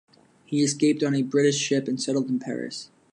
He escaped on a British ship and settled in Paris.